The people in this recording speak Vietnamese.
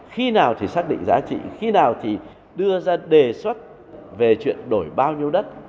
khi nào thì xác định giá trị khi nào thì đưa ra đề xuất về chuyển đổi bao nhiêu đất